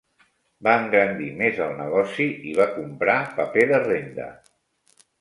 Va engrandir més el negoci, i va comprar paper de renda